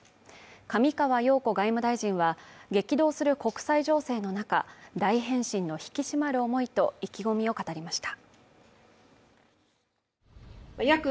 上川陽子外務大臣は激動する国際情勢の中大変身の引き締まる思いと意気込みを語りました